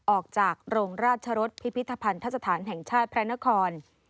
ออกจากโรงราชรสพิพิธภัณฑสถานแห่งชาติพระนคร